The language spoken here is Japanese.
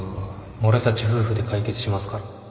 俺たち夫婦で解決しますから